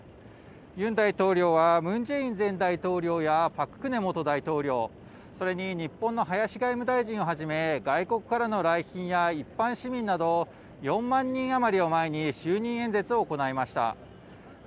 ユン大統領はムン・ジェイン前大統領やパク・クネ元大統領、それに日本の林外務大臣をはじめ外国からの来賓や一般市民など４万人余りを前に就任演説を行いました。